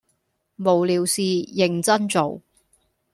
無聊事認真做